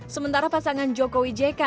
sementara pasangan jokowi jk